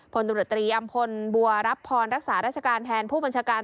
ผลธุรกิจตรีอำพลบัพพรรักษาราชกานแทนผู้บัญชาการ